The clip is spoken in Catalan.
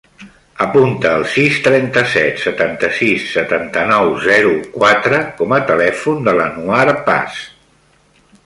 Apunta el sis, trenta-set, setanta-sis, setanta-nou, zero, quatre com a telèfon de l'Anwar Paz.